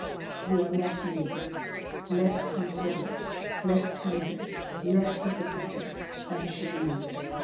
You are less noble, less considerate, less tender, less sympathetic than she believed.